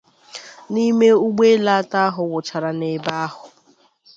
N'ime ụgbọelu atọ ahụ wụchara n'ebe ahụ